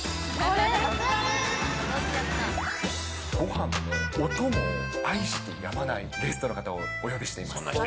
ごはんのお供を愛してやまないゲストの方をお呼びしています。